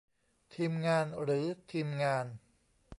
ทีมงาน หรือ ทีมงาน ?